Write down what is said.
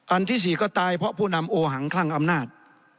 ที่๔ก็ตายเพราะผู้นำโอหังคลั่งอำนาจ